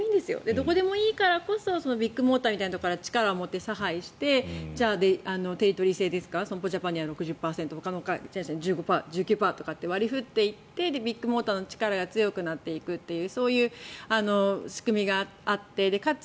どこもでいいからこそビッグモーターみたいなところが力を持って差配して、テリトリー制ですか損保ジャパンには８０％ほかの会社には１９％って割り振っていってビッグモーターの力が強くなっていくというそういう仕組みがあってかつ